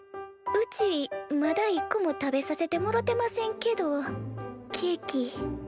うちまだ１個も食べさせてもろてませんけどケーキ。